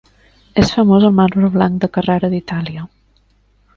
És famós el marbre blanc de Carrara d'Itàlia.